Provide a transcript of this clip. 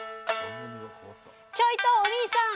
ちょいとおにいさん！